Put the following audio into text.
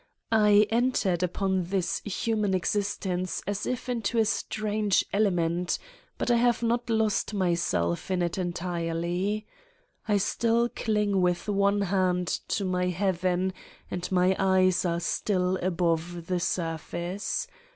I entered upon this human existence as if into a strange element, but I have not lost myself in it entirely : I still cling with one hand to my Heaven and my eyes are still above the surface.